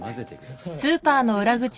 はい。